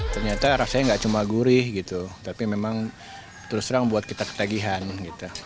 ternyata rasanya nggak cuma gurih gitu tapi memang terus terang buat kita ketagihan gitu